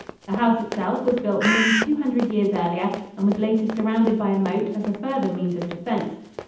The house itself was built nearly two hundred years earlier and was later surrounded by a moat as a further means of defense.